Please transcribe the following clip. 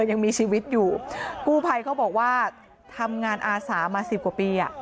ยังมีชีวิตอยู่กู้ภัยเขาบอกว่าทำงานอาสามาสิบกว่าปีอ่ะ